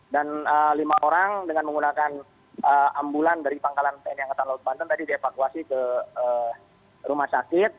dan lima orang dengan menggunakan ambulan dari pangkalan tni angkatan laut banten tadi dievakuasi ke rumah sakit